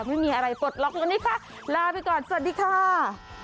ไม่มีอะไรปลดล็อกวันนี้ค่ะลาไปก่อนสวัสดีค่ะ